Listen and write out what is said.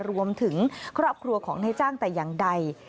รวมถึงครอบครัวของนายจ้างแต่อย่างใด